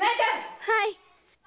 はい。